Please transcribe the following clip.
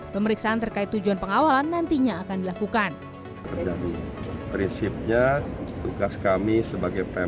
pemeriksaan terkait pengawalan yang dilakukan oleh dinas perhubungan dki jakarta